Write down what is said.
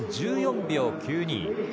１分１４秒９２。